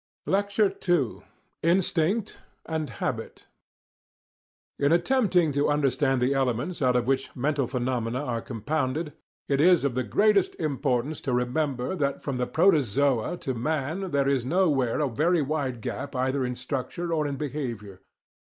LECTURE II. INSTINCT AND HABIT In attempting to understand the elements out of which mental phenomena are compounded, it is of the greatest importance to remember that from the protozoa to man there is nowhere a very wide gap either in structure or in behaviour.